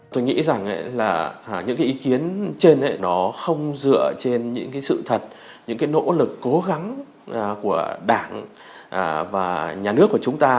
tôi nghĩ rằng những ý kiến trên không dựa trên những sự thật những nỗ lực cố gắng của đảng và nhà nước của chúng ta